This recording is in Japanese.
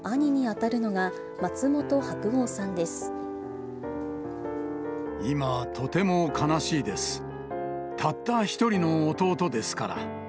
たった一人の弟ですから。